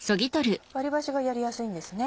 割り箸がやりやすいんですね。